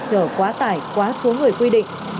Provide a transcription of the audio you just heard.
chở quá tải quá xuống người quy định